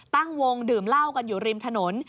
ตั้งวงดื่มเหล้ากันอยู่ริมถนน